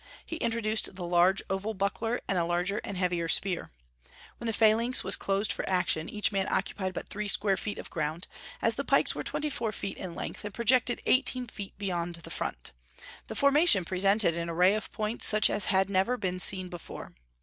He introduced the large oval buckler and a larger and heavier spear. When the phalanx was closed for action, each man occupied but three square feet of ground: as the pikes were twenty four feet in length, and projected eighteen feet beyond the front, the formation presented an array of points such as had never been seen before.